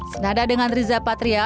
senada dengan riza patria